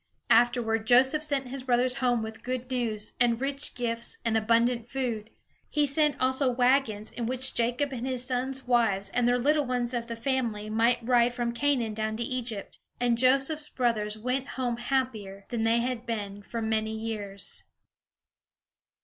Afterward Joseph sent his brothers home with good news, and rich gifts, and abundant food. He sent also wagons in which Jacob and his sons' wives and the little ones of their families might ride from Canaan down to Egypt. And Joseph's brothers went home happier than they had been for many years.